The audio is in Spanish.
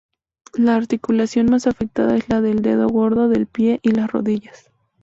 La articulación más afectada es la del dedo gordo del pie y las rodillas.